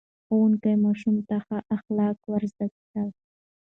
ښوونکي ماشومانو ته ښه اخلاق ور زده کړل.